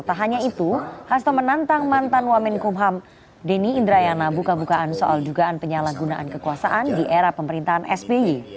tak hanya itu hasto menantang mantan wamen kumham denny indrayana buka bukaan soal dugaan penyalahgunaan kekuasaan di era pemerintahan sby